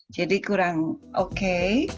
jadi kurang oke